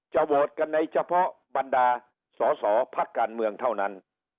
โหวตกันในเฉพาะบรรดาสอสอพักการเมืองเท่านั้น